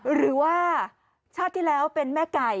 หรือว่าชาติที่แล้วเป็นแม่ไก่